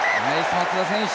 松田選手。